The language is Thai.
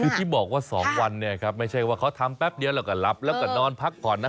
คือที่บอกว่า๒วันเนี่ยครับไม่ใช่ว่าเขาทำแป๊บเดียวแล้วก็หลับแล้วก็นอนพักผ่อนนะ